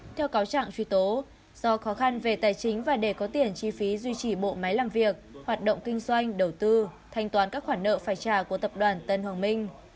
theo cáo trạng truy tố do khó khăn về tài chính và để có tiền chi phí duy trì bộ máy làm việc hoạt động kinh doanh đầu tư thanh toán các khoản nợ phải trả của tập đoàn tân hoàng minh